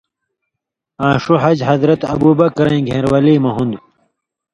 آں ݜُو حج حضرت ابو بکرؓ ایں گھېن٘رولی مہ ہُون٘دوۡ۔